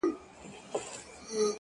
پرمختګ له ننني اقدام راټوکېږي.